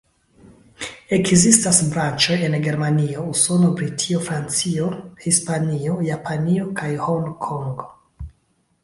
Ekzistas branĉoj en Germanio, Usono, Britio, Francio, Hispanio, Japanio kaj Honkongo.